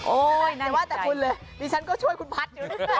โอ้ยนั่นแปลกใจแต่ว่าแต่คุณเลยดิฉันก็ช่วยคุณพัช